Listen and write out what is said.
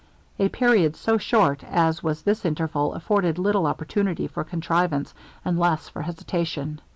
A period so short as was this interval, afforded little opportunity for contrivance, and less for hesitation.